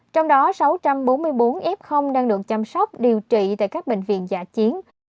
trong đó sáu trăm bốn mươi bốn f đang được chăm sóc điều trị tại các bệnh viện giả chiến